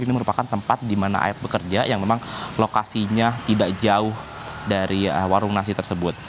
ini merupakan tempat di mana air bekerja yang memang lokasinya tidak jauh dari warung nasi tersebut